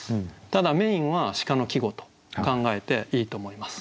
ただメインは「鹿」の季語と考えていいと思います。